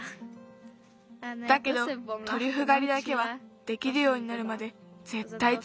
だけどトリュフがりだけはできるようになるまでぜったいつづける。